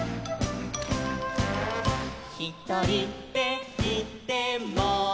「ひとりでいても」